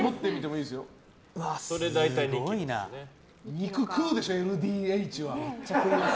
肉食うでしょ、ＬＤＨは。